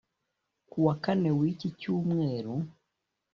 kuwa Kane w’iki cyumweru